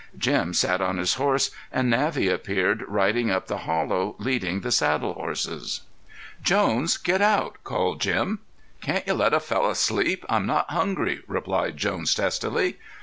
Jim sat on his horse and Navvy appeared riding up to the hollow, leading the saddle horses. "Jones, get out," called Jim. "Can't you let a fellow sleep? I'm not hungry," replied Jones testily.